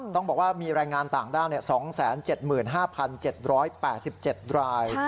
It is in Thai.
ต้องบอกว่ามีแรงงานต่างด้าว๒๗๕๗๘๗ราย